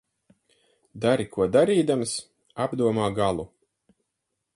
Dari ko darīdams, apdomā galu.